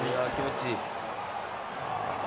気持ちいい。